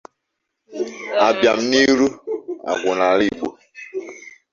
A bịa n'ịrụ agwụ n'ala Igbo